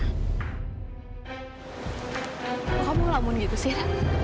kok kamu lamun gitu sir